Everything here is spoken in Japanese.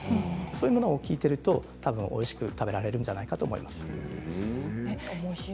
そういうものを聞いているとたぶんおいしく食べられるんじゃないかなと思います。